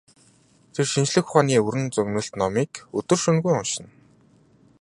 Тэр шинжлэх ухааны уран зөгнөлт номыг өдөр шөнөгүй уншина.